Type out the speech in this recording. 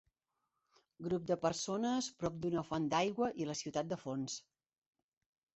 Grup de persones prop d'una font d'aigua i la ciutat de fons.